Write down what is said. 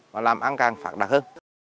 và làm ăn càng phạt đặc hơn